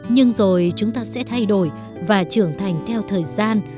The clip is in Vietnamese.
nhưng rồi chúng ta sẽ thay đổi và trưởng thành theo thời gian